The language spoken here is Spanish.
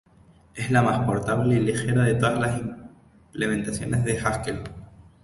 Es la más portable y ligera de todas las implementaciones de Haskell.